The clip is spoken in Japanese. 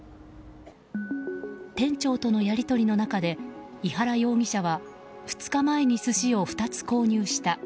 店長とのやり取りの中で井原容疑者は２日前に寿司を２つ購入した。